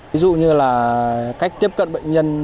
ví dụ như là cách tiến hành cách tiến hành cách tiến hành cách tiến hành